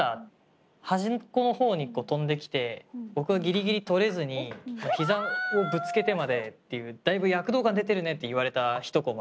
端っこの方に飛んできて僕がギリギリとれずにひざをぶつけてまでっていうだいぶ躍動感出てるねって言われた一コマ。